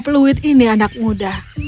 peluit ini anak muda